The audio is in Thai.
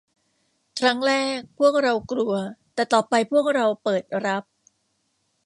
ครั้งแรกพวกเรากลัวแต่ต่อไปพวกเราเปิดรับ